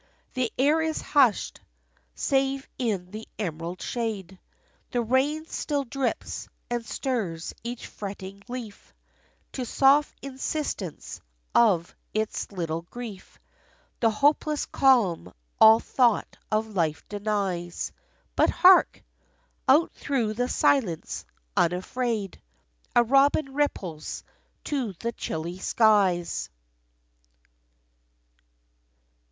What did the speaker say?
The air is hushed, save in the emerald shade The rain still drips and stirs each fretting leaf To soft insistence of its little grief. The hopeless calm all thought of life denies But hark! out through the silence, unafraid, A robin ripples to the chilly skies.